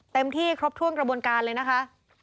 ที่ครบถ้วนกระบวนการเลยนะคะ